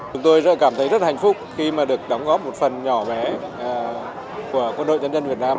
chúng tôi rất cảm thấy rất hạnh phúc khi mà được đóng góp một phần nhỏ bé của quân đội nhân dân việt nam